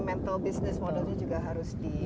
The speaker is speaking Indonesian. mental business model juga harus diubah